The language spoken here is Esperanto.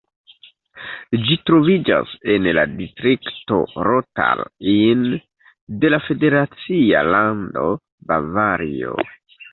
Ĝi troviĝas en la distrikto Rottal-Inn de la federacia lando Bavario.